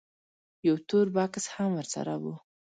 یو تور بکس هم ورسره و.